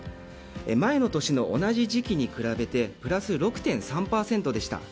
前の年の同じ時期に比べてプラス６．３％でした。